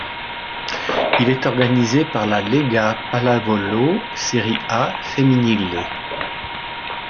Il est organisé par la Lega Pallavolo Serie A femminile.